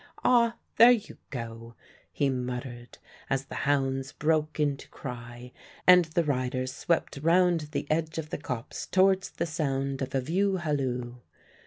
Ah! there you go," he muttered as the hounds broke into cry, and the riders swept round the edge of the copse towards the sound of a view halloo.